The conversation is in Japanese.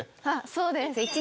そうです。